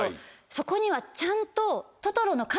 そこにはちゃんと。